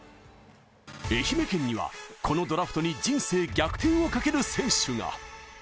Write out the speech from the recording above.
愛媛県にはこのドラフトに人生逆転をかける選手が。